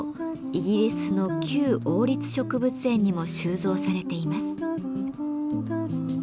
イギリスのキュー王立植物園にも収蔵されています。